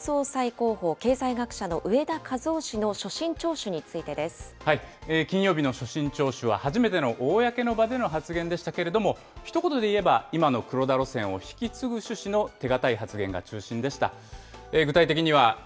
注目された日銀の新総裁候補、経済学者の植田和男氏の所信聴取に金曜日の所信聴取は初めての公の場での発言でしたけれど、ひと言で言えば、今の黒田路線を引き継ぐ趣旨の手堅い発言が中心でした。